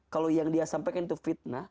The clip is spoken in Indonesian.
kalau yang dia sampaikan itu fitnah